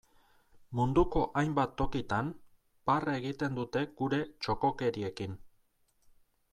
Munduko hainbat tokitan, barre egiten dute gure txokokeriekin.